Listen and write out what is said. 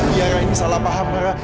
iya ra ini salah paham ra